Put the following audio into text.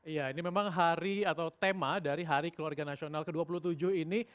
ya ini memang hari atau tema dari hari keluarga nasional ke dua puluh tujuh ini